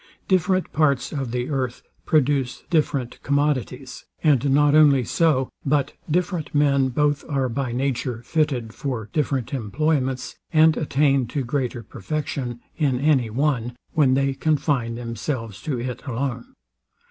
Different parts of the earth produce different commodities; and not only so, but different men both are by nature fitted for different employments, and attain to greater perfection in any one, when they confine themselves to it alone.